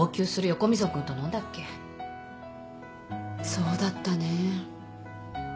そうだったね。